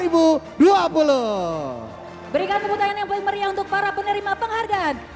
berikan pembukaan yang paling meriah untuk para penerima penghargaan